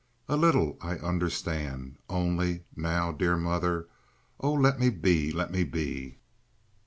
A little—I understand. Only—now—dear mother; oh! let me be! Let me be!"